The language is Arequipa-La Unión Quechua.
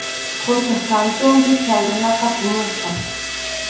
Quchap kantunpi chay runaqa puñusqa.